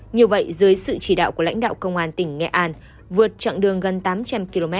như vậy dưới sự chỉ đạo của lãnh đạo công an tỉnh nghệ an vượt chặng đường gần tám trăm linh km